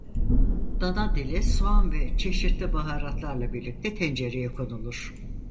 Dana dili soğan ve çeşitli baharatlarla birlikte tencereye konulur.